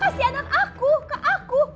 kasih anak aku ke aku